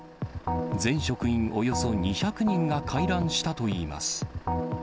全職員およそ２００人が回覧したといいます。